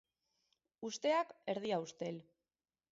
Usteak erdia ustel.